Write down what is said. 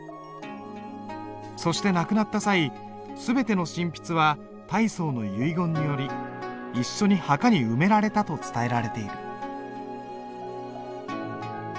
そして亡くなった際全ての真筆は太宗の遺言により一緒に墓に埋められたと伝えられている。